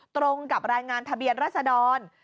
ตรงกับรายงานทะเบียนรัศดร